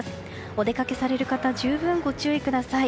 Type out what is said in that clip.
お出かけされる方十分ご注意ください。